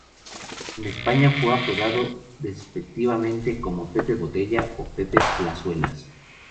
En España fue apodado despectivamente como "Pepe Botella" o "Pepe Plazuelas".